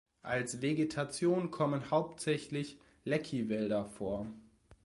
Als Vegetation kommen hauptsächlich Lecci-Wälder vor.